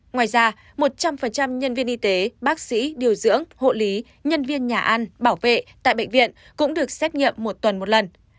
ngoài ra một trăm linh nhân viên y tế bác sĩ điều dưỡng hộ lý nhân viên nhà ăn bảo vệ tại bệnh viện cũng được xét nghiệm một tuần một lần